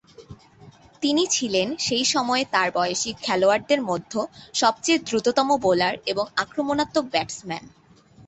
তিনি ছিলেন সেই সময়ে তার বয়সী খেলোয়াড়দের মধ্য সবচেয়ে দ্রুততম বোলার এবং আক্রমণাত্মক ব্যাটসম্যান।